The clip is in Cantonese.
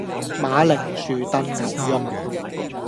馬鈴薯燉牛肉